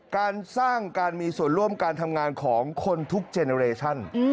การสร้างการมีส่วนร่วมการทำงานของคนทุกเจเนอเรชั่น